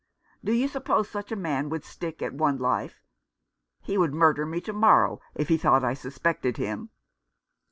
Do you suppose such a man would stick at one life ? He would murder me to morrow if he thought I suspected him."